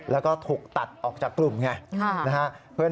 แล้วก็ถูกตัดออกจากกลุ่มไงนะฮะ